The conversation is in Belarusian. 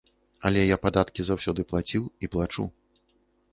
Але я падаткі заўсёды плаціў і плачу.